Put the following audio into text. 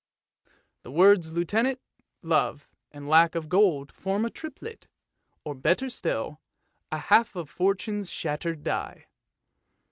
The words Lieutenant, Love, and Lack of gold form a triplet, or better still, a half of Fortune's shattered die.